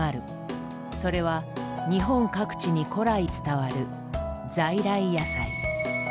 それは日本各地に古来伝わる「在来野菜」。